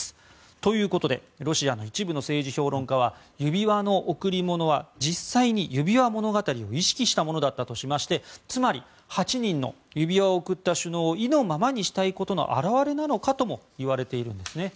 ということでロシアの一部の政治評論家は指輪の贈り物は実際に「指輪物語」を意識したものだったとしましてつまり、８人の指輪を贈った首脳たちを意のままにしたいということの表れなのかともいわれているんです。